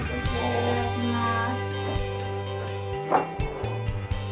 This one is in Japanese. いただきます。